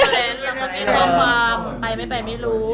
แล้วก็มีข้อความไปไม่ไปไม่รู้